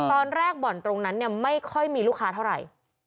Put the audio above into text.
บ่อนตรงนั้นเนี่ยไม่ค่อยมีลูกค้าเท่าไหร่